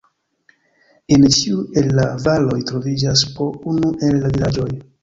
En ĉiu el la valoj troviĝas po unu el la vilaĝoj.